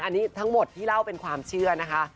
อันนี้ทั้งหมดที่เล่าเป็นความเชื่อนะคะ